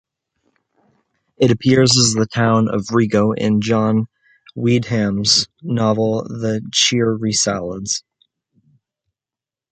It appears as the town of Rigo in John Wyndham's novel "The Chrysalids".